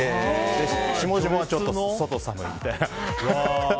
下々は外でちょっと寒いみたいな。